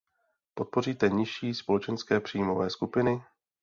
Podpoříte nižší společenské příjmové skupiny?